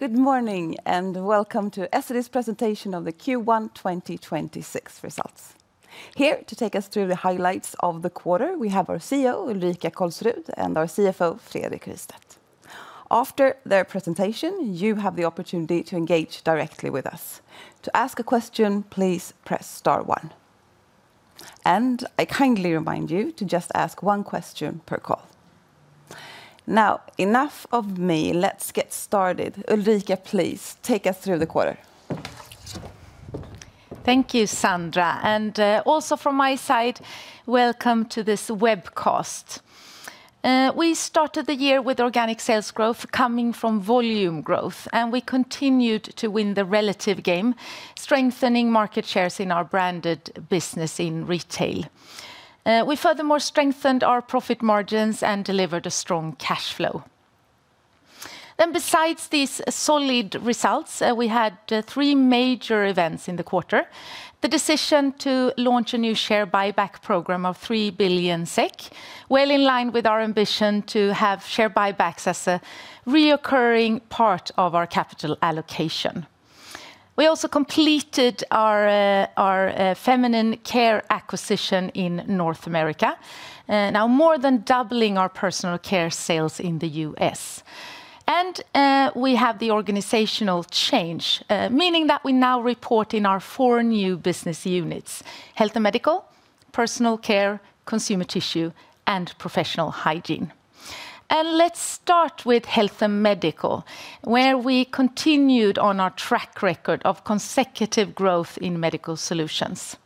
Good morning, and welcome to Essity's presentation of the Q1 2026 results. Here to take us through the highlights of the quarter, we have our CEO, Ulrika Kolsrud, and our CFO, Fredrik Rystedt. After their presentation, you have the opportunity to engage directly with us. To ask a question, please press star one. I kindly remind you to just ask one question per call. Now enough of me, let's get started. Ulrika, please take us through the quarter. Thank you, Sandra. Also from my side, welcome to this webcast. We started the year with organic sales growth coming from volume growth, and we continued to win the relative game, strengthening market shares in our branded business in retail. We furthermore strengthened our profit margins and delivered a strong cash flow. Besides these solid results, we had three major events in the quarter. The decision to launch a new share buyback program of 3 billion SEK, well in line with our ambition to have share buybacks as a recurring part of our capital allocation. We also completed our feminine care acquisition in North America, now more than doubling our personal care sales in the U.S. We have the organizational change, meaning that we now report in our four new business units, Health and Medical, Personal Care, Consumer Tissue, and Professional Hygiene. Let's start with health and medical, where we continued on our track record of consecutive growth in medical solutions.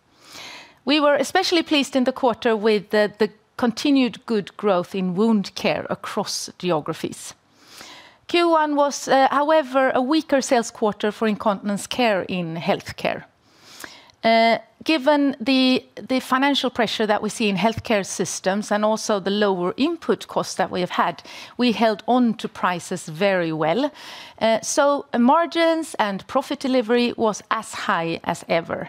We were especially pleased in the quarter with the continued good growth in wound care across geographies. Q1 was, however, a weaker sales quarter for incontinence care in healthcare. Given the financial pressure that we see in healthcare systems and also the lower input costs that we have had, we held on to prices very well. So margins and profit delivery was as high as ever.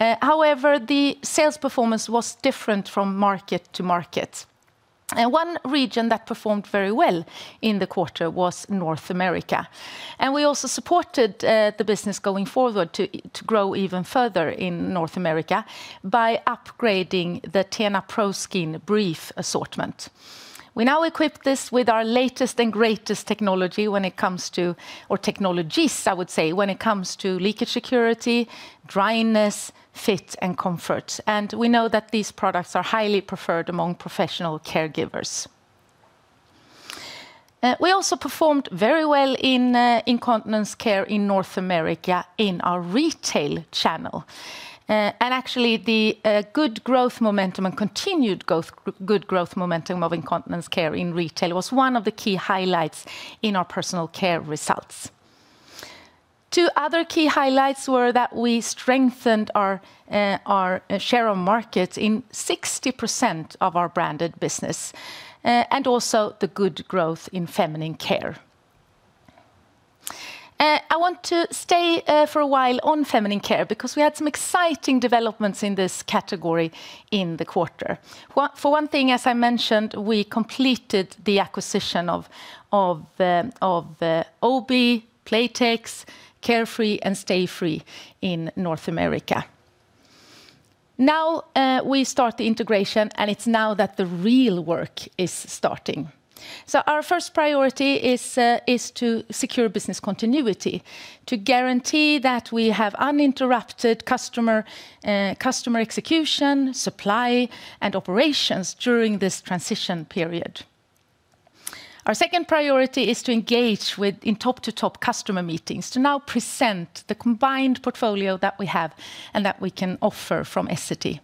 However, the sales performance was different from market to market, and one region that performed very well in the quarter was North America. We also supported the business going forward to grow even further in North America by upgrading the TENA ProSkin brief assortment. We now equip this with our latest and greatest technology when it comes to, or technologies, I would say, when it comes to leakage security, dryness, fit, and comfort. We know that these products are highly preferred among professional caregivers. We also performed very well in incontinence care in North America in our retail channel. Actually the good growth momentum and continued good growth momentum of incontinence care in retail was one of the key highlights in our personal care results. Two other key highlights were that we strengthened our share of market in 60% of our branded business and also the good growth in feminine care. I want to stay for a while on feminine care because we had some exciting developments in this category in the quarter. For one thing, as I mentioned, we completed the acquisition of o.b., Playtex, Carefree, and Stayfree in North America. Now, we start the integration and it's now that the real work is starting. Our first priority is to secure business continuity to guarantee that we have uninterrupted customer execution, supply, and operations during this transition period. Our second priority is to engage with in top-to-top customer meetings to now present the combined portfolio that we have and that we can offer from Essity.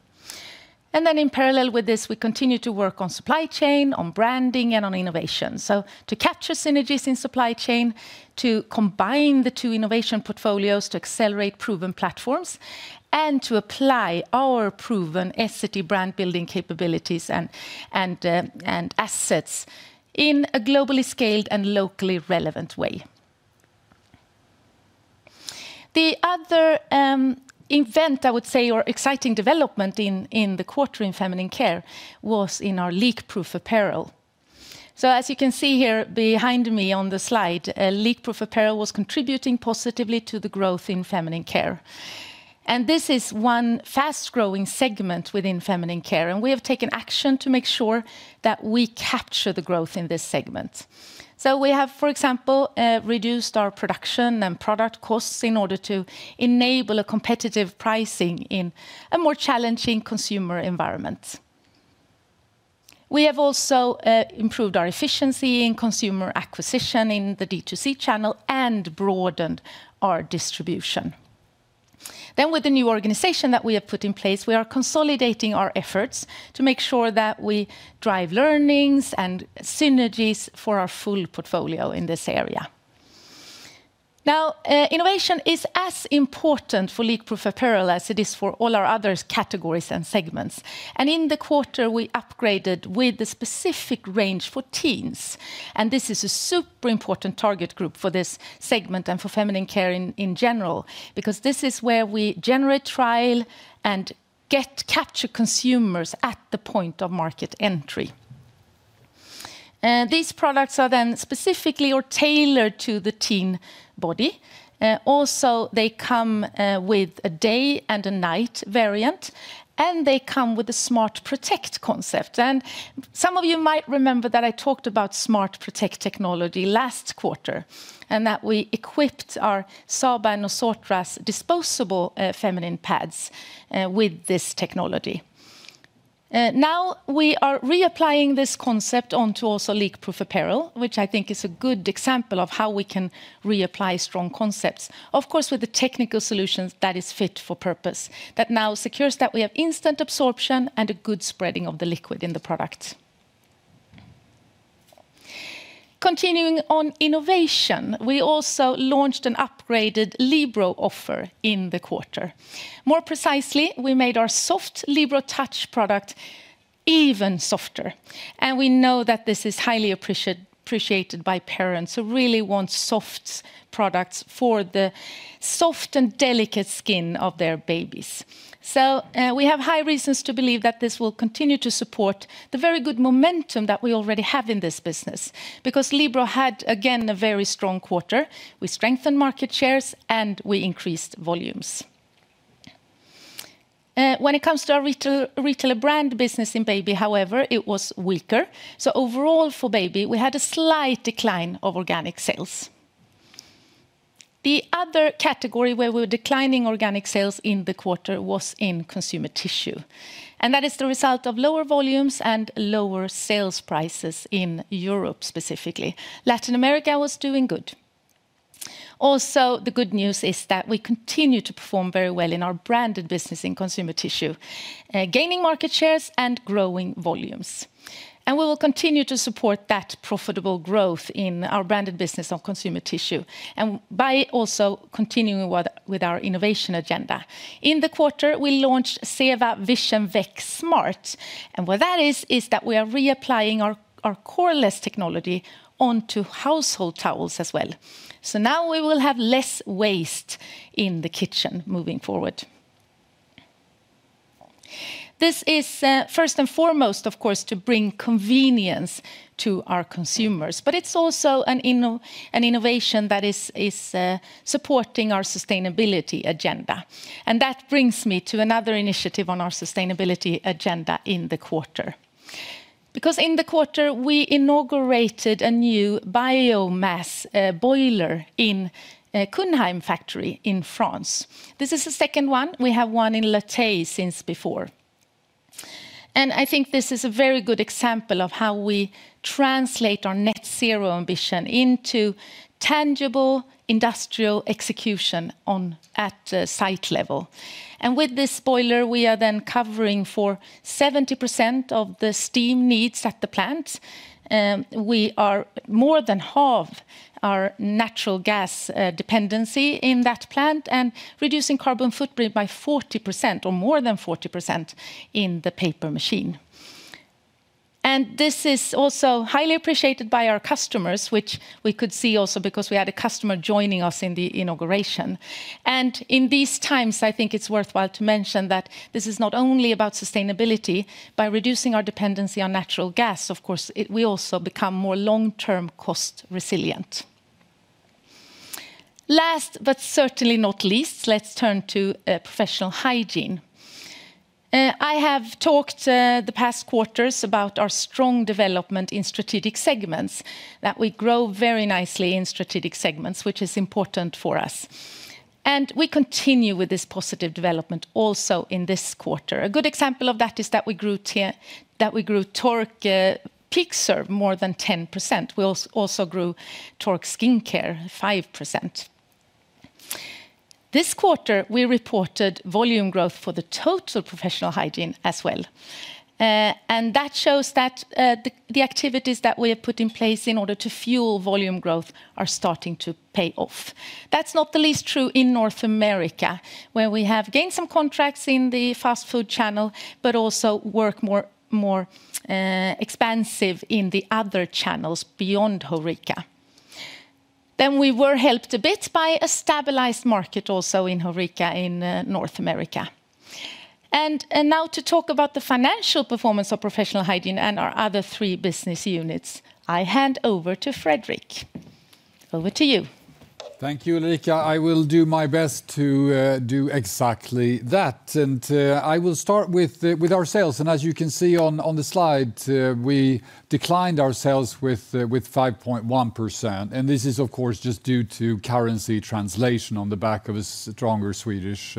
In parallel with this, we continue to work on supply chain, on branding, and on innovation to capture synergies in supply chain, to combine the two innovation portfolios, to accelerate proven platforms, and to apply our proven Essity brand-building capabilities and assets in a globally scaled and locally relevant way. The other event, I would say, or exciting development in the quarter in feminine care was in our leakproof apparel. As you can see here behind me on the slide, leakproof apparel was contributing positively to the growth in feminine care. This is one fast-growing segment within feminine care, and we have taken action to make sure that we capture the growth in this segment. We have, for example, reduced our production and product costs in order to enable a competitive pricing in a more challenging consumer environment. We have also improved our efficiency in consumer acquisition in the D2C channel and broadened our distribution. With the new organization that we have put in place, we are consolidating our efforts to make sure that we drive learnings and synergies for our full portfolio in this area. Now, innovation is as important for leakproof apparel as it is for all our other categories and segments. In the quarter, we upgraded with a specific range for teens. This is a super important target group for this segment and for feminine care in general because this is where we generate, trial, and capture consumers at the point of market entry. These products are then specifically tailored to the teen body. Also, they come with a day and a night variant, and they come with a SmartProtect concept. Some of you might remember that I talked about SmartProtect technology last quarter, and that we equipped our Saba Nosotras disposable feminine pads with this technology. Now we are reapplying this concept onto our leakproof apparel, which I think is a good example of how we can reapply strong concepts, of course, with the technical solutions that is fit for purpose, that now secures that we have instant absorption and a good spreading of the liquid in the product. Continuing on innovation, we also launched an upgraded Libero offer in the quarter. More precisely, we made our soft Libero Touch product even softer, and we know that this is highly appreciated by parents who really want soft products for the soft and delicate skin of their babies. We have high reasons to believe that this will continue to support the very good momentum that we already have in this business, because Libero had, again, a very strong quarter. We strengthened market shares and we increased volumes. When it comes to our retailer brand business in Baby, however, it was weaker. Overall for Baby, we had a slight decline of organic sales. The other category where we were declining organic sales in the quarter was in Consumer Tissue, and that is the result of lower volumes and lower sales prices in Europe, specifically. Latin America was doing good. Also, the good news is that we continue to perform very well in our branded business in Consumer Tissue, gaining market shares and growing volumes. We will continue to support that profitable growth in our branded business on Consumer Tissue, and by also continuing with our innovation agenda. In the quarter, we launched Seva Vision Vec Smart, and what that is that we are reapplying our coreless technology onto household towels as well. Now we will have less waste in the kitchen moving forward. This is first and foremost, of course, to bring convenience to our consumers, but it's also an innovation that is supporting our sustainability agenda. That brings me to another initiative on our sustainability agenda in the quarter. Because in the quarter, we inaugurated a new biomass boiler in Kunheim factory in France. This is the second one. We have one in Le Theil since before. I think this is a very good example of how we translate our net zero ambition into tangible industrial execution at site level. With this boiler, we are then covering for 70% of the steam needs at the plant. We are more than half our natural gas dependency in that plant and reducing carbon footprint by 40% or more than 40% in the paper machine. This is also highly appreciated by our customers, which we could see also because we had a customer joining us in the inauguration. In these times, I think it's worthwhile to mention that this is not only about sustainability. By reducing our dependency on natural gas, of course, we also become more long-term cost resilient. Last, but certainly not least, let's turn to Professional Hygiene. I have talked the past quarters about our strong development in strategic segments, that we grow very nicely in strategic segments, which is important for us. We continue with this positive development also in this quarter. A good example of that is that we grew Tork PeakServe more than 10%. We also grew Tork Skin Care 5%. This quarter, we reported volume growth for the total Professional Hygiene as well. That shows that the activities that we have put in place in order to fuel volume growth are starting to pay off. That's not the least true in North America, where we have gained some contracts in the fast food channel, but also work more extensively in the other channels beyond HoReCa. We we re helped a bit by a stabilized market also in HoReCa in North America. Now to talk about the financial performance of Professional Hygiene and our other three business units, I hand over to Fredrik. Over to you. Thank you, Ulrika. I will do my best to do exactly that. I will start with our sales. As you can see on the slide, we declined our sales with 5.1%. This is of course just due to currency translation on the back of a stronger Swedish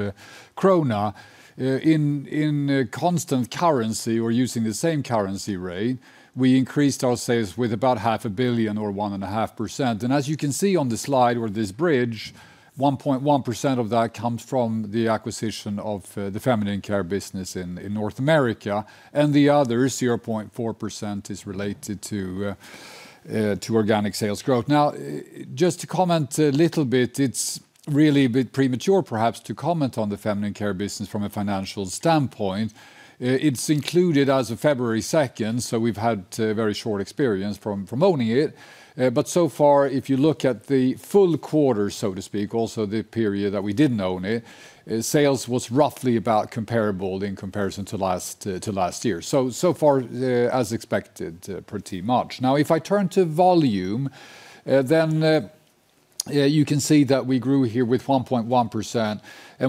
krona. In constant currency or using the same currency rate, we increased our sales with about SEK half a billion or 1.5%. As you can see on the slide or this bridge, 1.1% of that comes from the acquisition of the Feminine Care business in North America, and the other 0.4% is related to organic sales growth. Now, just to comment a little bit, it's really a bit premature, perhaps, to comment on the Feminine Care business from a financial standpoint. It's included as of February 2nd, so we've had very short experience from owning it. So far, if you look at the full quarter, so to speak, also the period that we didn't own it, sales was roughly about comparable in comparison to last year. So far as expected, pretty much. Now if I turn to volume, then you can see that we grew here with 1.1%.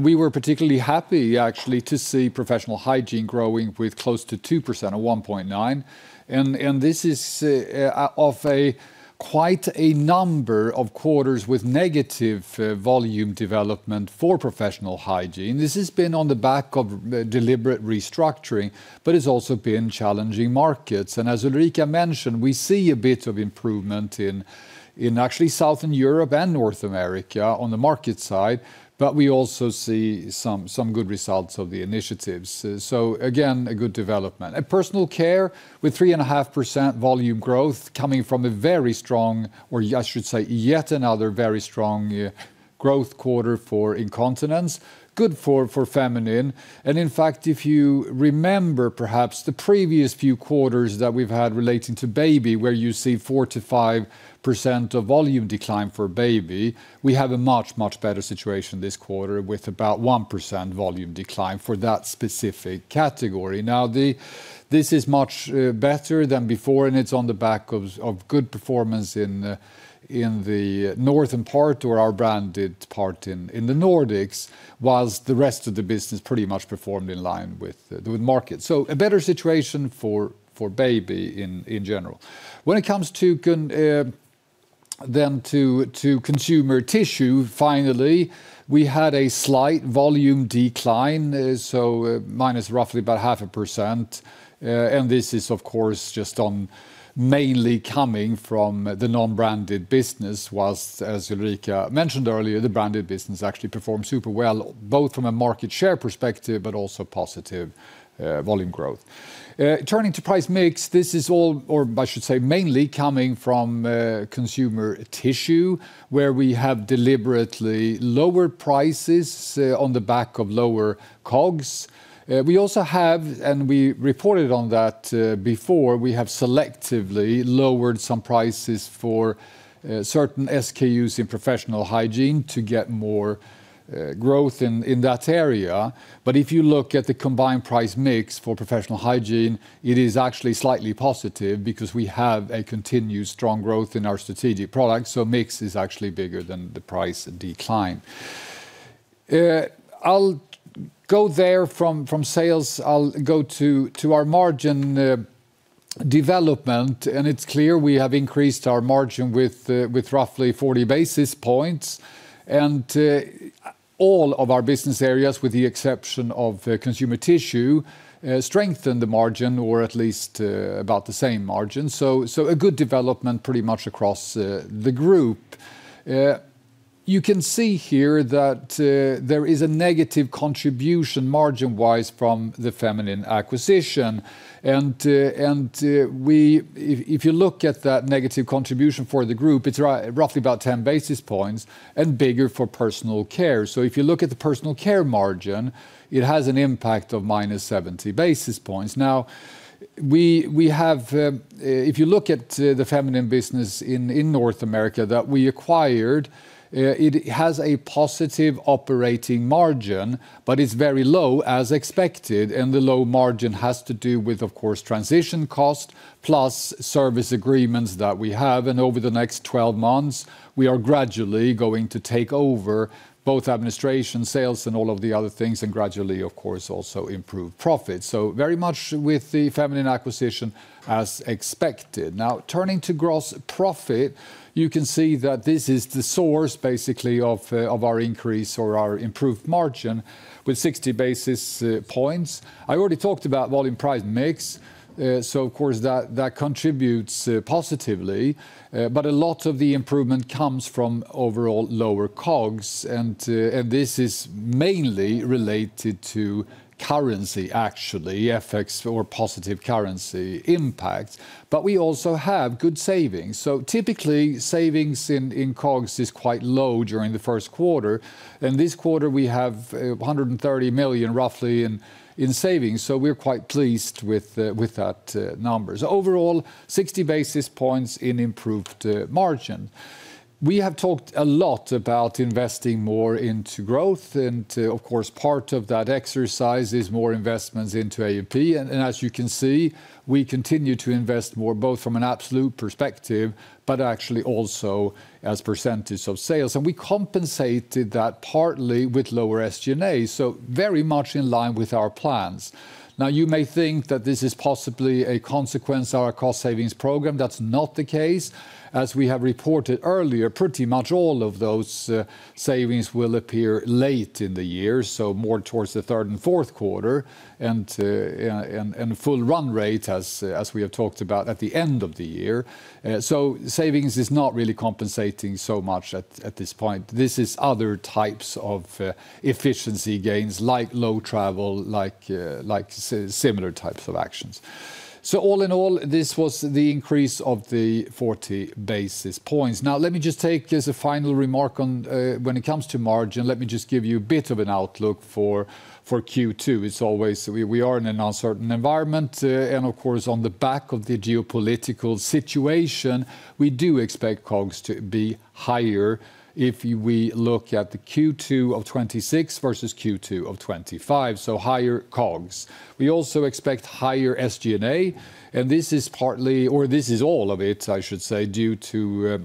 We were particularly happy, actually, to see professional hygiene growing with close to 2%, or 1.9%. This is of quite a number of quarters with negative volume development for professional hygiene. This has been on the back of deliberate restructuring, but it's also been challenging markets. As Ulrika mentioned, we see a bit of improvement in actually Southern Europe and North America on the market side, but we also see some good results of the initiatives. Again, a good development. Personal Care with 3.5% volume growth coming from a very strong, or I should say, yet another very strong growth quarter for incontinence. Good for feminine. In fact, if you remember, perhaps the previous few quarters that we've had relating to baby, where you see 4%-5% volume decline for baby. We have a much, much better situation this quarter with about 1% volume decline for that specific category. Now, this is much better than before, and it's on the back of good performance in the northern part, or our branded part in the Nordics, while the rest of the business pretty much performed in line with the market. A better situation for baby in general. When it comes then to Consumer Tissue, finally, we had a slight volume decline, so minus roughly about 0.5%. This is, of course, just on mainly coming from the non-branded business, while as Ulrika mentioned earlier, the branded business actually performed super well, both from a market share perspective, but also positive volume growth. Turning to price mix, this is all, or I should say, mainly coming from consumer tissue, where we have deliberately lowered prices on the back of lower COGS. We also have, and we reported on that before, we have selectively lowered some prices for certain SKUs in professional hygiene to get more growth in that area. But if you look at the combined price mix for professional hygiene, it is actually slightly positive because we have a continued strong growth in our strategic products. Mix is actually bigger than the price decline. I'll go on from sales. I'll go to our margin development, and it's clear we have increased our margin with roughly 40 basis points. All of our business areas, with the exception of consumer tissue, strengthened the margin, or at least about the same margin. A good development pretty much across the group. You can see here that there is a negative contribution margin-wise from the feminine acquisition. If you look at that negative contribution for the group, it's roughly about 10 basis points and bigger for personal care. If you look at the personal care margin, it has an impact of -70 basis points. Now, if you look at the feminine business in North America that we acquired, it has a positive operating margin, but it's very low as expected. The low margin has to do with, of course, transition cost plus service agreements that we have. Over the next 12 months, we are gradually going to take over both administration, sales, and all of the other things and gradually, of course, also improve profits. Very much with the feminine acquisition as expected. Now turning to gross profit, you can see that this is the source basically of our increase or our improved margin with 60 basis points. I already talked about volume price mix. Of course that contributes positively. A lot of the improvement comes from overall lower COGS, and this is mainly related to currency actually, FX or positive currency impact. We also have good savings. Typically, savings in COGS is quite low during the Q1. In this quarter, we have 130 million roughly in savings. We're quite pleased with that numbers. Overall, 60 basis points in improved margin. We have talked a lot about investing more into growth. Of course, part of that exercise is more investments into A&P. As you can see, we continue to invest more, both from an absolute perspective, but actually also as percentage of sales. We compensated that partly with lower SG&A. Very much in line with our plans. Now you may think that this is possibly a consequence of our cost savings program. That's not the case. As we have reported earlier, pretty much all of those savings will appear late in the year, so more towards the third and Q4 and full run rate as we have talked about at the end of the year. Savings is not really compensating so much at this point. This is other types of efficiency gains like low travel, like similar types of actions. All in all, this was the increase of the 40 basis points. Now let me just take as a final remark on when it comes to margin, let me just give you a bit of an outlook for Q2. As always, we are in an uncertain environment. Of course, on the back of the geopolitical situation, we do expect COGS to be higher if we look at the Q2 of 2026 versus Q2 of 2025. Higher COGS. We also expect higher SG&A, and this is partly, or this is all of it, I should say, due to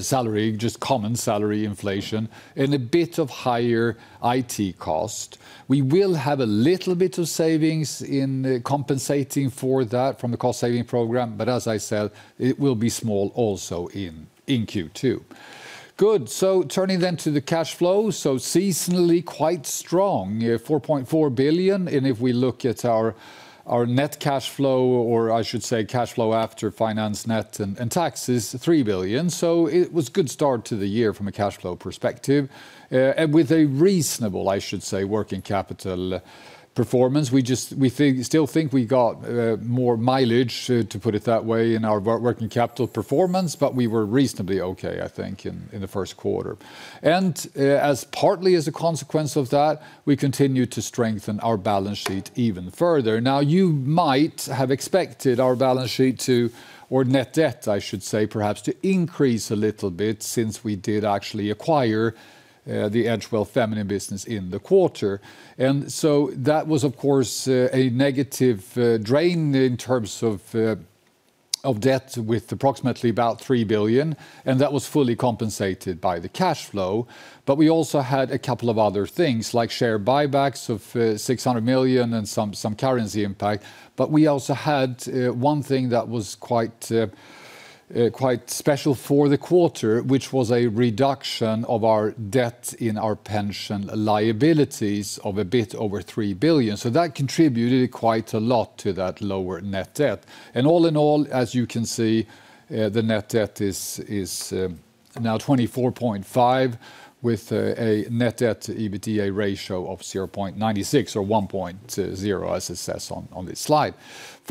salary, just common salary inflation, and a bit of higher IT cost. We will have a little bit of savings in compensating for that from the cost-saving program. As I said, it will be small also in Q2. Good. Turning then to the cash flow. Seasonally quite strong, 4.4 billion. If we look at our net cash flow, or I should say cash flow after finance net and taxes, 3 billion. It was good start to the year from a cash flow perspective. With a reasonable, I should say, working capital performance. We still think we got more mileage, to put it that way, in our working capital performance, but we were reasonably okay, I think, in the Q1. As partly as a consequence of that, we continued to strengthen our balance sheet even further. Now, you might have expected our balance sheet to, or net debt I should say, perhaps to increase a little bit since we did actually acquire the Edgewell feminine business in the quarter. That was, of course, a negative drain in terms of debt with approximately about 3 billion, and that was fully compensated by the cash flow. We also had a couple of other things, like share buybacks of 600 million and some currency impact. We also had one thing that was quite special for the quarter, which was a reduction of our debt in our pension liabilities of a bit over 3 billion. That contributed quite a lot to that lower net debt. All in all, as you can see, the net debt is now 24.5 billion with a net debt EBITDA ratio of 0.96 or 1.0, as it says on this slide.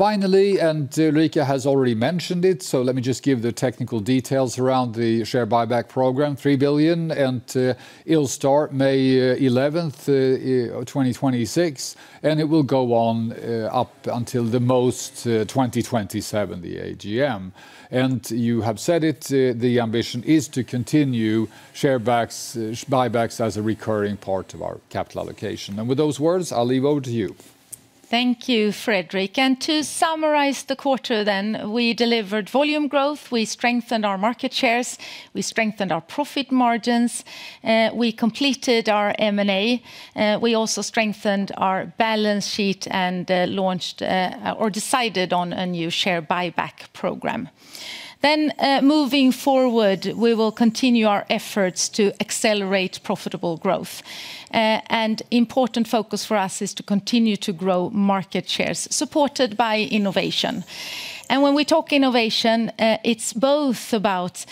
Finally, Ulrika has already mentioned it, so let me just give the technical details around the share buyback program, 3 billion, and it'll start May 11th, 2026, and it will go on up until the 2027 AGM. You have said it, the ambition is to continue share buybacks as a recurring part of our capital allocation. With those words, I'll hand over to you. Thank you, Fredrik. To summarize the quarter then, we delivered volume growth, we strengthened our market shares, we strengthened our profit margins, we completed our M&A. We also strengthened our balance sheet and launched or decided on a new share buyback program. Moving forward, we will continue our efforts to accelerate profitable growth. Important focus for us is to continue to grow market shares supported by innovation. When we talk innovation, it's both about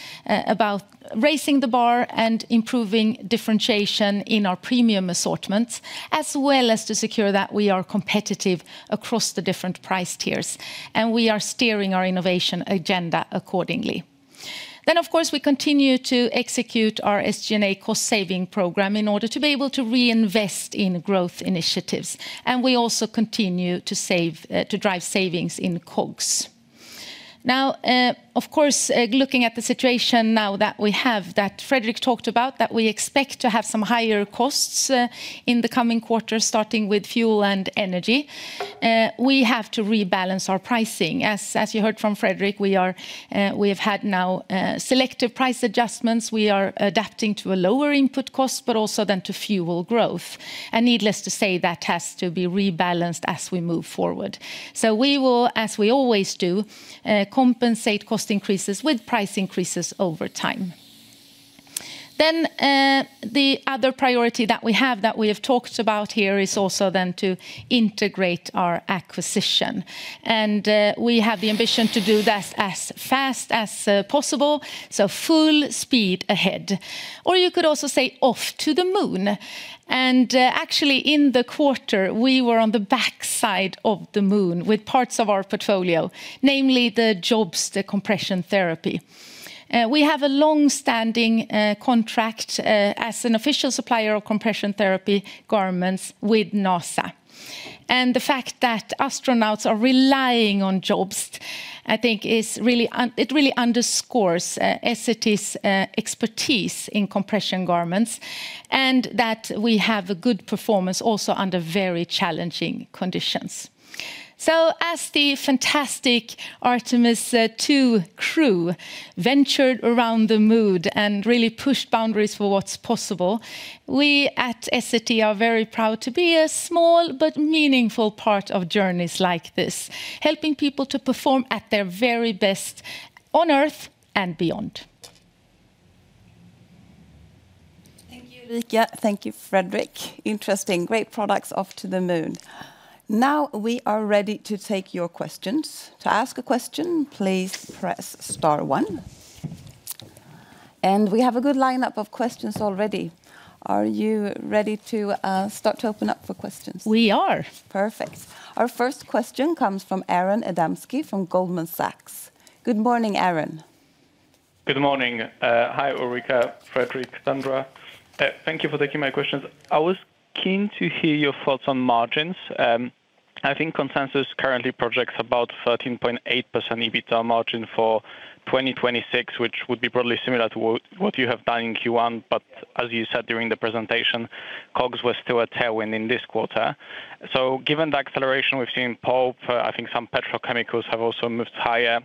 raising the bar and improving differentiation in our premium assortments, as well as to secure that we are competitive across the different price tiers, and we are steering our innovation agenda accordingly. Of course, we continue to execute our SG&A cost-saving program in order to be able to reinvest in growth initiatives. We also continue to drive savings in COGS. Now, of course, looking at the situation now that we have, that Fredrik talked about, that we expect to have some higher costs in the coming quarters, starting with fuel and energy. We have to rebalance our pricing. As you heard from Fredrik, we have had now selective price adjustments. We are adapting to a lower input cost, but also then to fuel growth. Needless to say, that has to be rebalanced as we move forward. We will, as we always do, compensate cost increases with price increases over time. The other priority that we have that we have talked about here is also then to integrate our acquisition. We have the ambition to do that as fast as possible, so full speed ahead. You could also say off to the moon. Actually, in the quarter, we were on the backside of the moon with parts of our portfolio, namely the Jobst, the compression therapy. We have a longstanding contract as an official supplier of compression therapy garments with NASA. The fact that astronauts are relying on Jobst, I think it really underscores Essity's expertise in compression garments, and that we have a good performance also under very challenging conditions. As the fantastic Artemis II crew ventured around the moon and really pushed boundaries for what's possible, we at Essity are very proud to be a small but meaningful part of journeys like this. Helping people to perform at their very best on Earth and beyond. Thank you, Ulrika. Thank you, Fredrik. Interesting. Great products off to the moon. Now we are ready to take your questions. To ask a question, please press star one. We have a good lineup of questions already. Are you ready to start to open up for questions? We are. Perfect. Our first question comes from Aron Adamski from Goldman Sachs. Good morning, Aron. Good morning. Hi, Ulrika, Fredrik, Sandra. Thank you for taking my questions. I was keen to hear your thoughts on margins. I think consensus currently projects about 13.8% EBITDA margin for 2026, which would be probably similar to what you have done in Q1, but as you said during the presentation, COGS was still a tailwind in this quarter. Given the acceleration we've seen in pulp, I think some petrochemicals have also moved higher,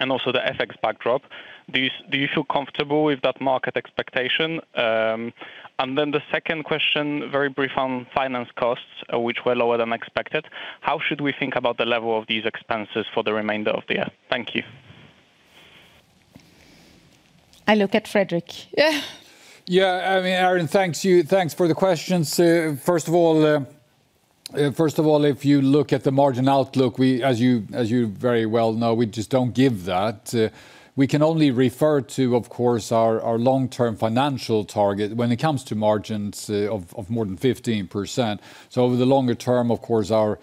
and also the FX backdrop. Do you feel comfortable with that market expectation? The second question, very brief on finance costs, which were lower than expected. How should we think about the level of these expenses for the remainder of the year? Thank you. I look at Fredrik. Aron, thanks for the questions. First of all, if you look at the margin outlook, as you very well know, we just don't give that. We can only refer to, of course, our long-term financial target when it comes to margins of more than 15%. Over the longer term, of course, our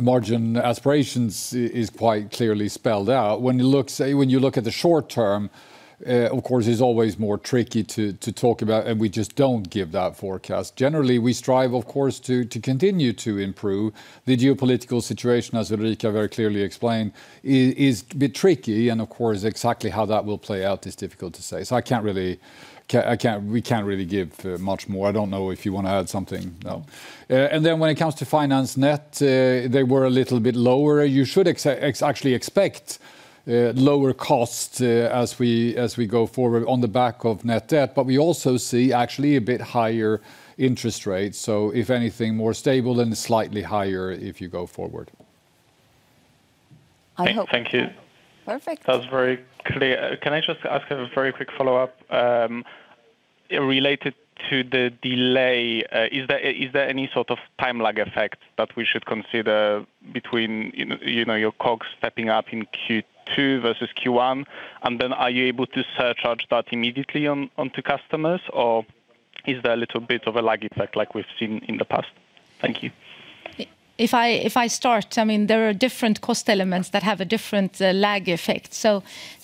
margin aspirations is quite clearly spelled out. When you look at the short term, of course, it's always more tricky to talk about, and we just don't give that forecast. Generally, we strive, of course, to continue to improve the geopolitical situation, as Ulrika very clearly explained, is a bit tricky. Of course, exactly how that will play out is difficult to say. We can't really give much more. I don't know if you want to add something. No. Then when it comes to net finance, they were a little bit lower. You should actually expect lower costs as we go forward on the back of net debt. We also see actually a bit higher interest rates. If anything, more stable and slightly higher, if you go forward. I hope. Thank you. Perfect. That was very clear. Can I just ask a very quick follow-up? Related to the delay, is there any sort of time lag effect that we should consider between your COGS stepping up in Q2 versus Q1? And then are you able to surcharge that immediately onto customers, or is there a little bit of a lag effect like we've seen in the past? Thank you. If I start, there are different cost elements that have a different lag effect.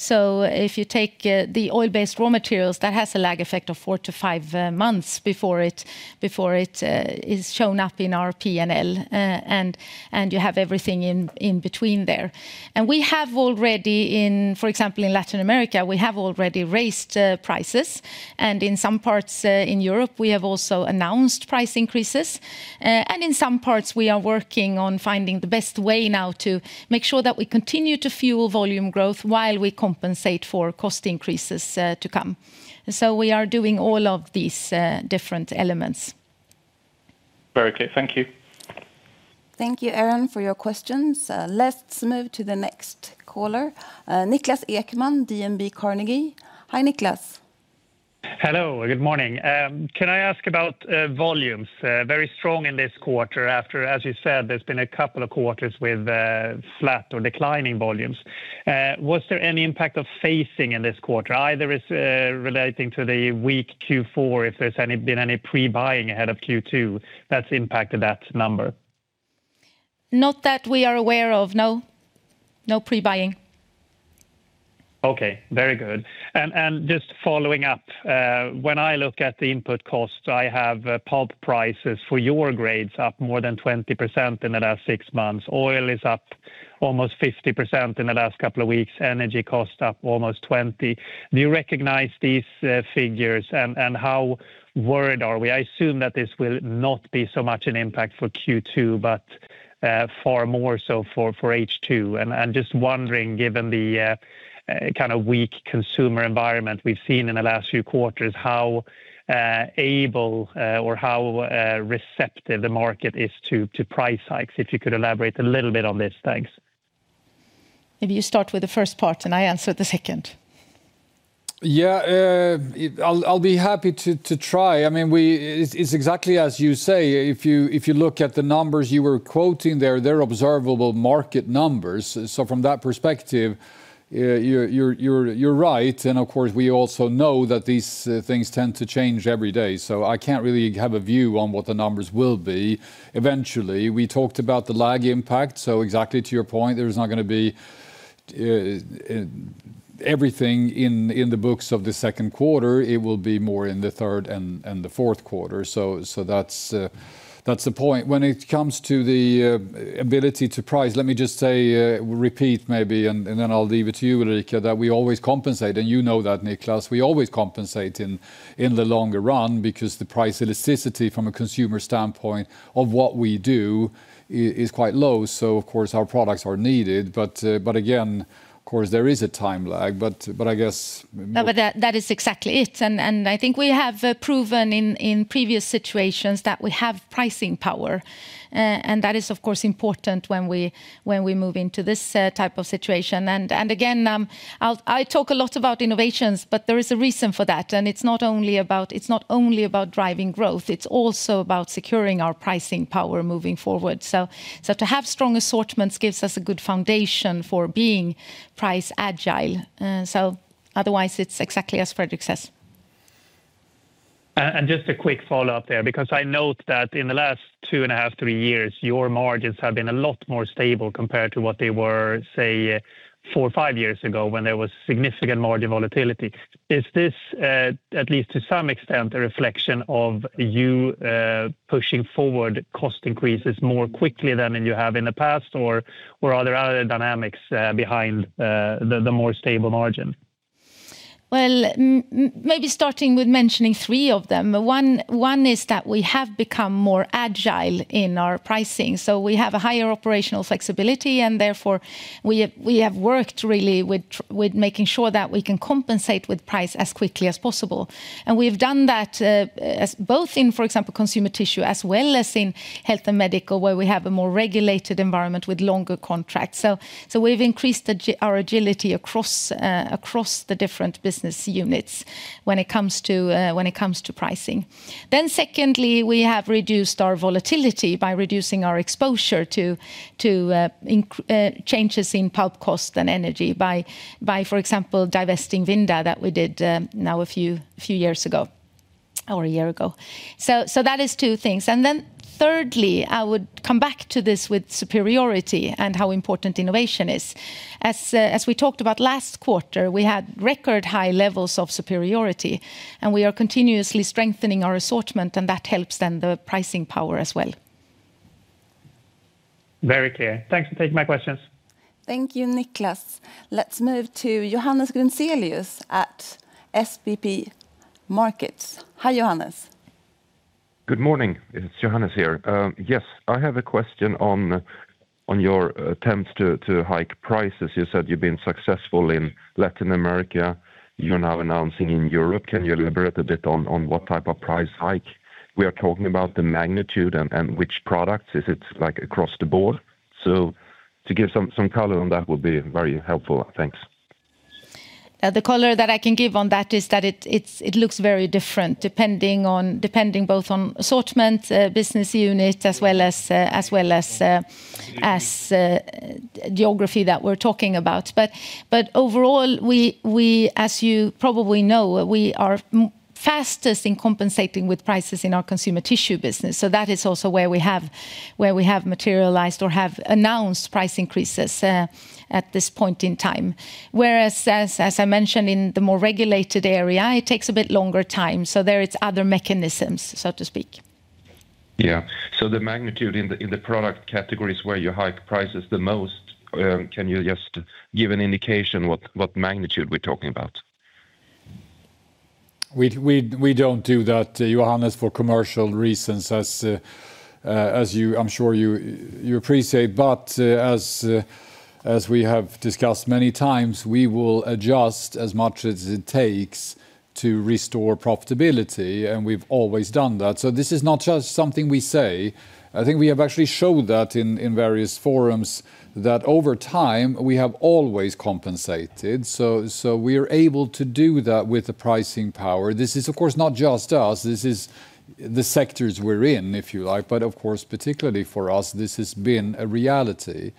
If you take the oil-based raw materials, that has a lag effect of 4-5 months before it is shown up in our P&L. You have everything in between there. We have already in, for example, Latin America, we have already raised prices. In some parts in Europe, we have also announced price increases. In some parts, we are working on finding the best way now to make sure that we continue to fuel volume growth while we compensate for cost increases to come. We are doing all of these different elements. Very clear. Thank you. Thank you, Aron, for your questions. Let's move to the next caller, Niklas Ekman, DNB Carnegie. Hi, Niklas. Hello, good morning. Can I ask about volumes? Very strong in this quarter after, as you said, there's been a couple of quarters with flat or declining volumes. Was there any impact of phasing in this quarter, either relating to the weak Q4, if there's been any pre-buying ahead of Q2 that's impacted that number? Not that we are aware of, no. No pre-buying. Okay, very good. Just following up, when I look at the input costs, I have pulp prices for your grades up more than 20% in the last six months. Oil is up almost 50% in the last couple of weeks. Energy costs up almost 20%. Do you recognize these figures, and how worried are we? I assume that this will not be so much an impact for Q2, but far more so for H2. Just wondering, given the kind of weak consumer environment we've seen in the last few quarters, how able or how receptive the market is to price hikes, if you could elaborate a little bit on this. Thanks. Maybe you start with the first part, and I answer the second. Yeah. I'll be happy to try. It's exactly as you say. If you look at the numbers you were quoting there, they're observable market numbers. From that perspective, you're right. Of course, we also know that these things tend to change every day. I can't really have a view on what the numbers will be eventually. We talked about the lag impact. Exactly to your point, there is not going to be everything in the books of the Q2. It will be more in the third and the Q4. That's the point. When it comes to the ability to price, let me just say, repeat maybe, and then I'll leave it to you, Ulrika, that we always compensate, and you know that, Niklas. We always compensate in the longer run because the price elasticity from a consumer standpoint of what we do is quite low. Of course, our products are needed. Again, of course, there is a time lag. I guess- No, but that is exactly it. I think we have proven in previous situations that we have pricing power. That is, of course, important when we move into this type of situation. Again, I talk a lot about innovations, but there is a reason for that. It's not only about driving growth, it's also about securing our pricing power moving forward. To have strong assortments gives us a good foundation for being price agile. Otherwise, it's exactly as Fredrik says. Just a quick follow-up there, because I note that in the last 2.5-3 years, your margins have been a lot more stable compared to what they were, say, 4 or 5 years ago when there was significant margin volatility. Is this at least to some extent a reflection of you pushing forward cost increases more quickly than you have in the past? Or are there other dynamics behind the more stable margin? Well, maybe starting with mentioning three of them. One is that we have become more agile in our pricing. We have a higher operational flexibility, and therefore we have worked really with making sure that we can compensate with price as quickly as possible. We've done that both in, for example, Consumer Tissue, as well as in Health and Medical, where we have a more regulated environment with longer contracts. We've increased our agility across the different business units when it comes to pricing. Secondly, we have reduced our volatility by reducing our exposure to changes in pulp cost and energy by, for example, divesting Vinda that we did now a few years ago, or a year ago. That is two things. Thirdly, I would come back to this with superiority and how important innovation is. As we talked about last quarter, we had record high levels of superiority, and we are continuously strengthening our assortment, and that helps then the pricing power as well. Very clear. Thanks for taking my questions. Thank you, Niklas. Let's move to Johannes Grunselius at DNB Markets. Hi, Johannes. Good morning. It's Johannes here. Yes, I have a question on your attempts to hike prices. You said you've been successful in Latin America. You're now announcing in Europe. Can you elaborate a bit on what type of price hike we are talking about, the magnitude and which products? Is it across the board? To give some color on that would be very helpful. Thanks. The color that I can give on that is that it looks very different depending both on assortment, business unit, as well as geography that we're talking about. Overall, as you probably know, we are fastest in compensating with prices in our consumer tissue business. That is also where we have materialized or have announced price increases at this point in time. Whereas, as I mentioned, in the more regulated area, it takes a bit longer time. There, it's other mechanisms, so to speak. Yeah. The magnitude in the product categories where you hike prices the most, can you just give an indication what magnitude we're talking about? We don't do that, Johannes, for commercial reasons as I'm sure you appreciate. As we have discussed many times, we will adjust as much as it takes to restore profitability, and we've always done that. This is not just something we say. I think we have actually showed that in various forums that over time we have always compensated. We are able to do that with the pricing power. This is, of course, not just us. This is the sectors we're in, if you like. Of course, particularly for us, this has been a reality.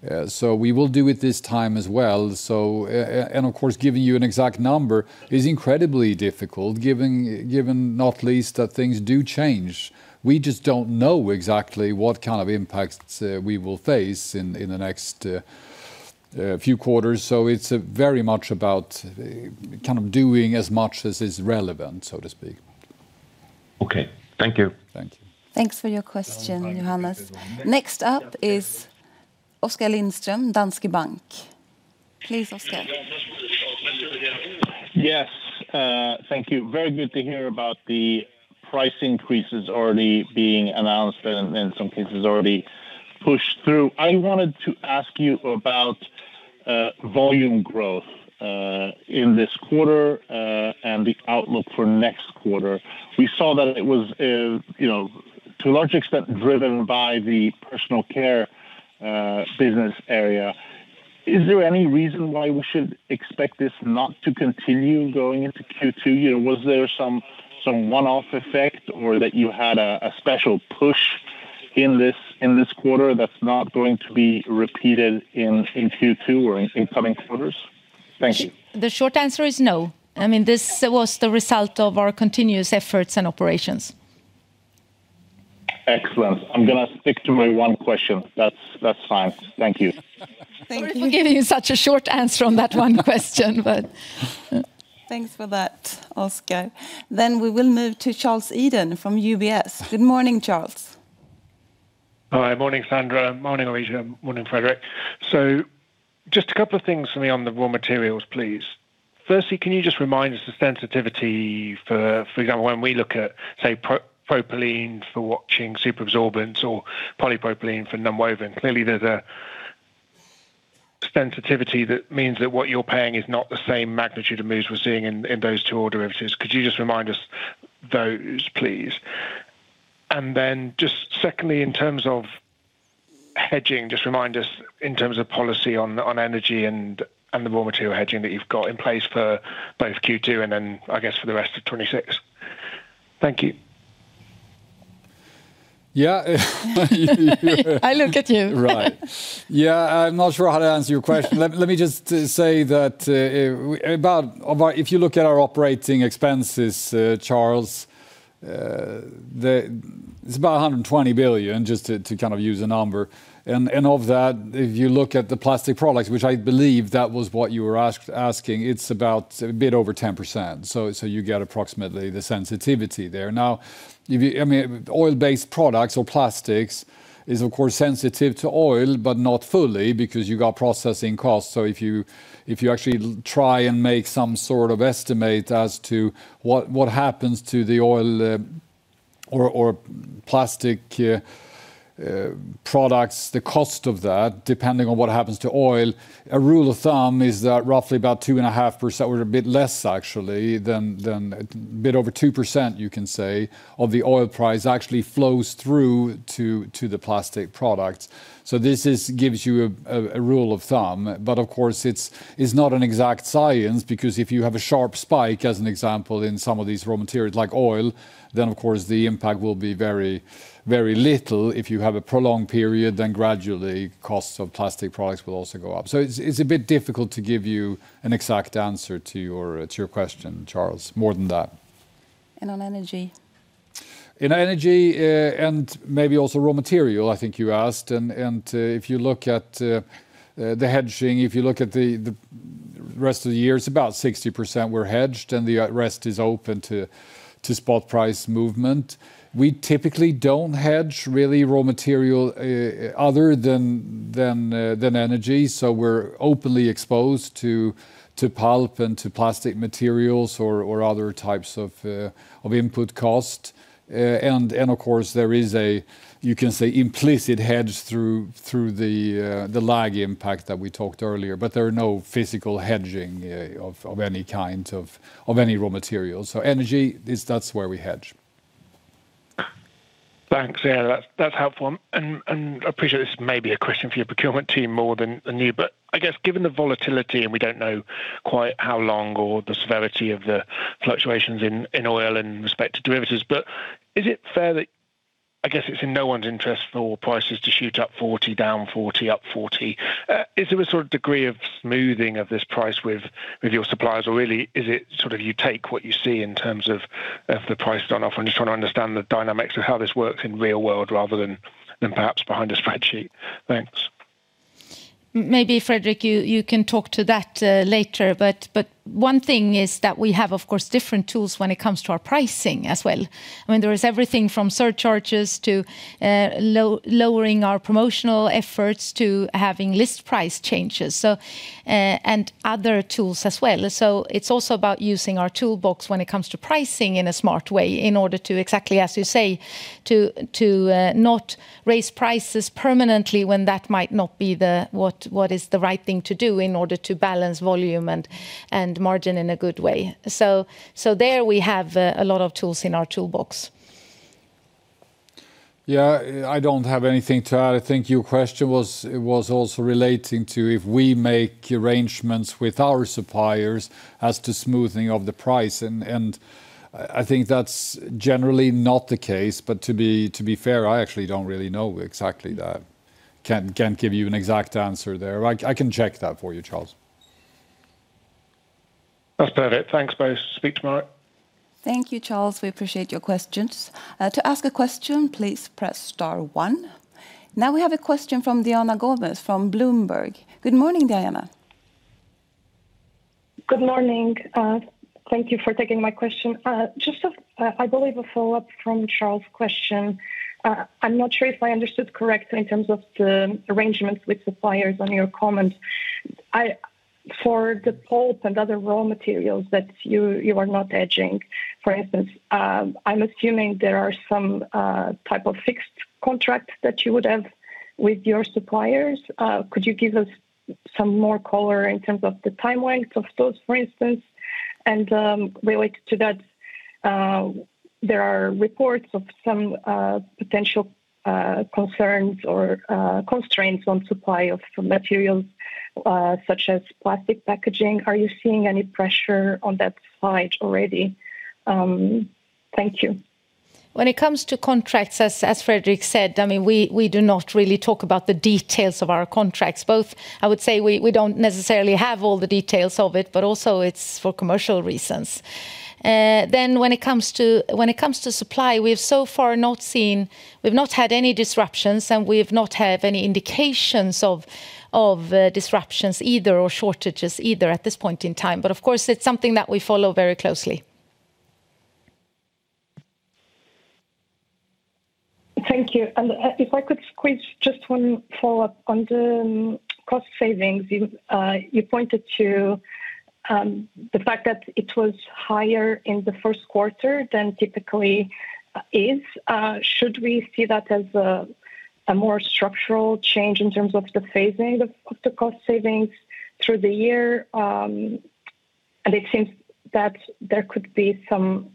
We will do it this time as well. Of course, giving you an exact number is incredibly difficult given, not least, that things do change. We just don't know exactly what kind of impacts we will face in the next few quarters. It's very much about doing as much as is relevant, so to speak. Okay. Thank you. Thank you. Thanks for your question, Johannes. Next up is Oskar Lindström, Danske Bank. Please, Oskar. Yes. Thank you. Very good to hear about the price increases already being announced and in some cases, already pushed through. I wanted to ask you about volume growth, in this quarter, and the outlook for next quarter. We saw that it was to a large extent driven by the personal care business area. Is there any reason why we should expect this not to continue going into Q2? Was there some one-off effect, or that you had a special push in this quarter that's not going to be repeated in Q2 or in coming quarters? Thank you. The short answer is no. This was the result of our continuous efforts and operations. Excellent. I'm going to stick to my one question. That's fine. Thank you. Thank you. Sorry for giving you such a short answer on that one question. Thanks for that, Oskar. We will move to Charles Eden from UBS. Good morning, Charles. Hi. Morning, Sandra. Morning, Ulrika. Morning, Fredrik. Just a couple of things for me on the raw materials, please. Firstly, can you just remind us the sensitivity for example, when we look at, say, propylene for watching superabsorbents or polypropylene for nonwoven? Clearly, there's a sensitivity that means that what you're paying is not the same magnitude of moves we're seeing in those two other instances. Could you just remind us those, please? Just secondly, in terms of hedging, just remind us in terms of policy on energy and the raw material hedging that you've got in place for both Q2 and then, I guess, for the rest of 2026? Thank you. Yeah. I look at you. Right. Yeah. I'm not sure how to answer your question. Let me just say that if you look at our operating expenses, Charles, it's about 120 billion, just to use a number. Of that, if you look at the plastic products, which I believe that was what you were asking, it's about a bit over 10%. You get approximately the sensitivity there. Now, oil-based products or plastics is, of course, sensitive to oil, but not fully because you got processing costs. If you actually try and make some sort of estimate as to what happens to the oil or plastic products, the cost of that, depending on what happens to oil, a rule of thumb is that roughly about 2.5%, or a bit less actually, a bit over 2%, you can say, of the oil price actually flows through to the plastic product. This gives you a rule of thumb. Of course, it's not an exact science, because if you have a sharp spike, as an example, in some of these raw materials like oil, then of course the impact will be very little. If you have a prolonged period, then gradually costs of plastic products will also go up. It's a bit difficult to give you an exact answer to your question, Charles, more than that. On energy? In energy, and maybe also raw material, I think you asked, and if you look at the hedging, if you look at the rest of the year, it's about 60% were hedged and the rest is open to spot price movement. We typically don't hedge, really, raw material other than energy. We're openly exposed to pulp and to plastic materials or other types of input cost. Of course there is a, you can say, implicit hedge through the lag impact that we talked earlier, but there are no physical hedging of any kind of any raw materials. Energy, that's where we hedge. Thanks. Yeah, that's helpful. I appreciate this may be a question for your procurement team more than you, but I guess given the volatility, and we don't know quite how long or the severity of the fluctuations in oil in respect to derivatives, but is it fair that, I guess it's in no one's interest for prices to shoot up 40%, down 40%, up 40%. Is there a sort of degree of smoothing of this price with your suppliers? Or really is it you take what you see in terms of the prices on offer? I'm just trying to understand the dynamics of how this works in the real world rather than perhaps behind a spreadsheet. Thanks. Maybe Fredrik, you can talk to that later. One thing is that we have, of course, different tools when it comes to our pricing as well. There is everything from surcharges to lowering our promotional efforts to having list price changes, and other tools as well. It's also about using our toolbox when it comes to pricing in a smart way in order to, exactly as you say, to not raise prices permanently when that might not be what is the right thing to do in order to balance volume and margin in a good way. There we have a lot of tools in our toolbox. Yeah. I don't have anything to add. I think your question was also relating to if we make arrangements with our suppliers as to smoothing of the price, and I think that's generally not the case. But to be fair, I actually don't really know exactly that. Can't give you an exact answer there. I can check that for you, Charles. That's perfect. Thanks both. Speak tomorrow. Thank you, Charles. We appreciate your questions. To ask a question, please press star one. Now we have a question from Diana Gomes from Bloomberg. Good morning, Diana. Good morning. Thank you for taking my question. Just, I believe, a follow-up from Charles' question. I'm not sure if I understood correctly in terms of the arrangements with suppliers on your comments. For the pulp and other raw materials that you are not hedging, for instance, I'm assuming there are some type of fixed contracts that you would have with your suppliers. Could you give us some more color in terms of the time lengths of those, for instance? Related to that, there are reports of some potential concerns or constraints on supply of some materials, such as plastic packaging. Are you seeing any pressure on that side already? Thank you. When it comes to contracts, as Fredrik said, we do not really talk about the details of our contracts. Both, I would say, we don't necessarily have all the details of it, but also it's for commercial reasons. When it comes to supply, we've so far not seen, we've not had any disruptions, and we've not had any indications of disruptions or shortages either at this point in time. Of course, it's something that we follow very closely. Thank you. If I could squeeze just one follow-up on the cost savings. You pointed to the fact that it was higher in the Q1 than it typically is. Should we see that as a more structural change in terms of the phasing of the cost savings through the year? It seems that there could be some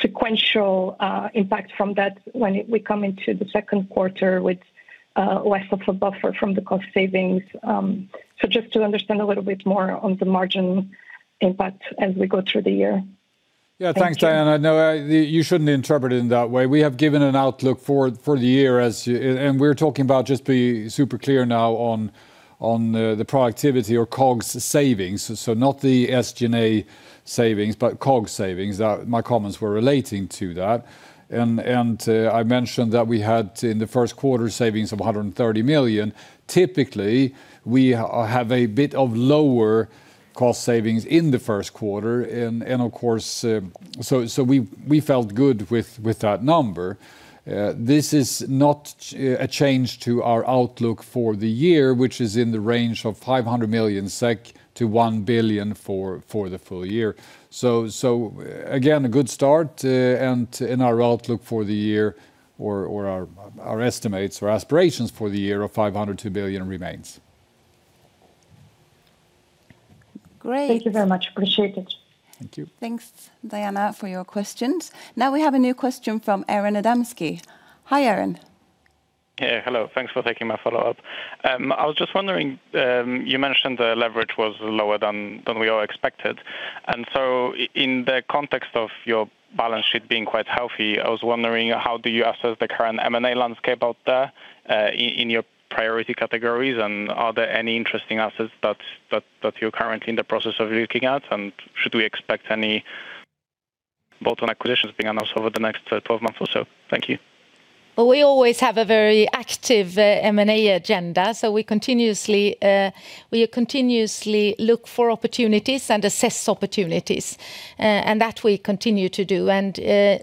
sequential impact from that when we come into the Q2 with less of a buffer from the cost savings. Just to understand a little bit more on the margin impact as we go through the year. Thank you. Yeah, thanks, Diana. No, you shouldn't interpret it in that way. We have given an outlook for the year, and we're talking about just being super clear now on the productivity or COGS savings, so not the SG&A savings, but COGS savings. My comments were relating to that. I mentioned that we had in the Q1 savings of 130 million. Typically, we have a bit of lower cost savings in the Q1. We felt good with that number. This is not a change to our outlook for the year, which is in the range of 500 million-1 billion SEK for the full year. Again, a good start, and in our outlook for the year or our estimates or aspirations for the year of 500 million-1 billion remains. Great Thank you very much. Appreciate it. Thank you. Thanks, Diana, for your questions. Now we have a new question from Aron Adamski. Hi, Aron. Yeah, hello. Thanks for taking my follow-up. I was just wondering, you mentioned the leverage was lower than we all expected, and so in the context of your balance sheet being quite healthy, I was wondering how do you assess the current M&A landscape out there, in your priority categories? And are there any interesting assets that you're currently in the process of looking at? And should we expect any bolt-on acquisitions being announced over the next 12 months or so? Thank you. Well, we always have a very active M&A agenda. We continuously look for opportunities and assess opportunities, and that we continue to do.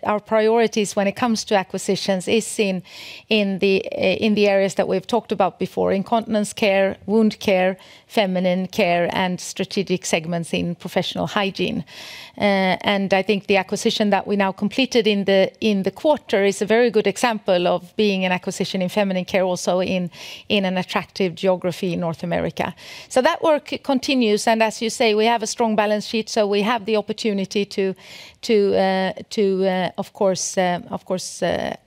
Our priorities when it comes to acquisitions is in the areas that we've talked about before, incontinence care, wound care, feminine care, and strategic segments in professional hygiene. I think the acquisition that we now completed in the quarter is a very good example of being an acquisition in feminine care, also in an attractive geography in North America. That work continues and as you say, we have a strong balance sheet, so we have the opportunity to, of course,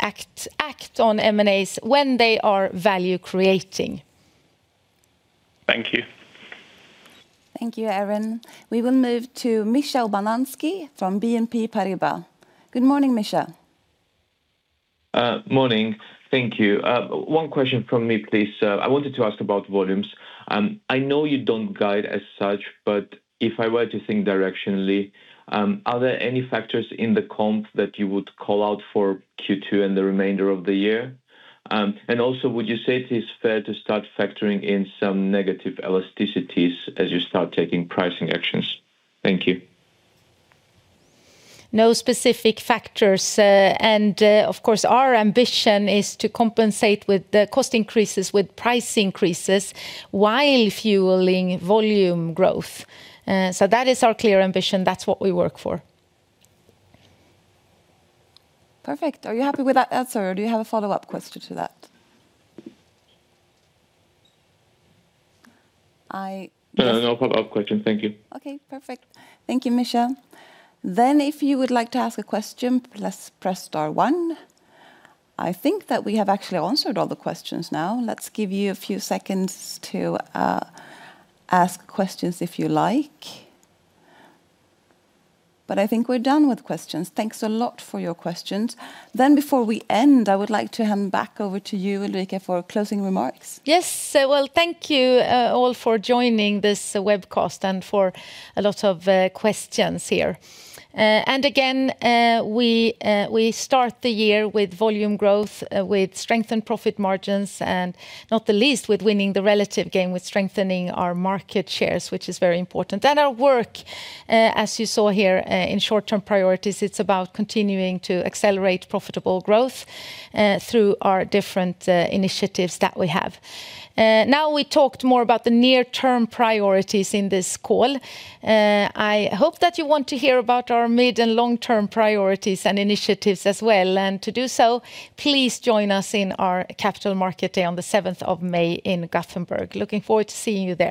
act on M&As when they are value creating. Thank you. Thank you, Aron. We will move to Mikheil Omanadze from BNP Paribas. Good morning, Mikheil. Morning. Thank you. One question from me, please. I wanted to ask about volumes. I know you don't guide as such, but if I were to think directionally, are there any factors in the comp that you would call out for Q2 and the remainder of the year? Would you say it is fair to start factoring in some negative elasticities as you start taking pricing actions? Thank you. No specific factors. Of course, our ambition is to compensate for the cost increases with price increases while fueling volume growth. That is our clear ambition. That's what we work for. Perfect. Are you happy with that answer, or do you have a follow-up question to that? No, no follow-up question. Thank you. Okay, perfect. Thank you, Mikheil. If you would like to ask a question, please press star one. I think that we have actually answered all the questions now. Let's give you a few seconds to ask questions if you like. I think we're done with questions. Thanks a lot for your questions. Before we end, I would like to hand back over to you, Ulrika, for closing remarks. Yes. Well, thank you all for joining this webcast and for a lot of questions here. Again, we start the year with volume growth, with strengthened profit margins, and not the least, with winning the relative gain with strengthening our market shares, which is very important. Our work, as you saw here, in short-term priorities, it's about continuing to accelerate profitable growth through our different initiatives that we have. Now, we talked more about the near-term priorities in this call. I hope that you want to hear about our mid and long-term priorities and initiatives as well. To do so, please join us in our capital market day on the 7th of May in Gothenburg. Looking forward to seeing you there.